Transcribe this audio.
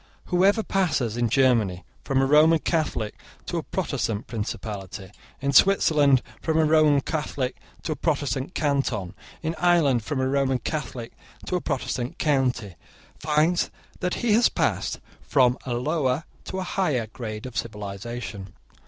Whoever passes in Germany from a Roman Catholic to a Protestant principality, in Switzerland from a Roman Catholic to a Protestant canton, in Ireland from a Roman Catholic to a Protestant county, finds that he has passed from a lower to a higher grade of civilisation.